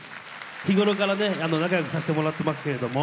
日頃からね仲良くさしてもらってますけれども。